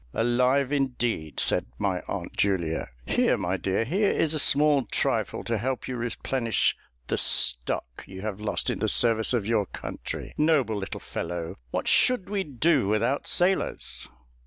"Alive, indeed!" said my Aunt Julia; "here, my dear, here is a small trifle to help you to replenish the stock you have lost in the service of your country. Noble little fellow! what should we do without sailors?"